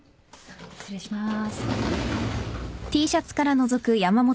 失礼します。